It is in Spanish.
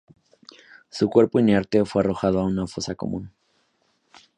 Su cuerpo inerte fue arrojado a una fosa común.